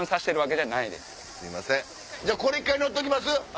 じゃあこれ乗っときます？